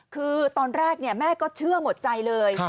คือตอนแรกแม่ก็เชื่อหมดใจเลย